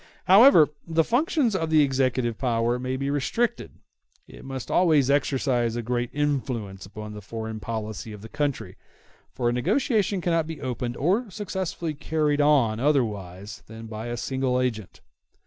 However the functions of the executive power may be restricted, it must always exercise a great influence upon the foreign policy of the country, for a negotiation cannot be opened or successfully carried on otherwise than by a single agent.